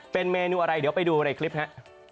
เป็นเมนูอะไรเดี๋ยวไปดูในคลิปฮะ